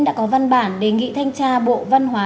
đã có văn bản đề nghị thanh tra bộ văn hóa